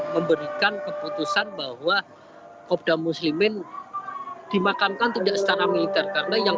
membutuhkan keputusan bahwa kopda muslimin dimakankan tidak setara militer karena yang